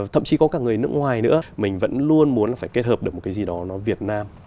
thậm chí có cả người nước ngoài nữa mình vẫn luôn muốn là phải kết hợp được một cái gì đó nó việt nam